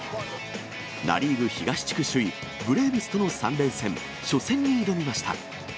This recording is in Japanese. ナ・リーグ東地区首位、ブレーブスとの３連戦、初戦に挑みました。